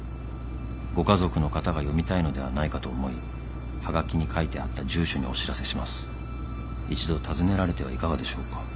「ご家族の方が読みたいのではないかと思いはがきに書いてあった住所にお知らせします」「一度訪ねられてはいかがでしょうか」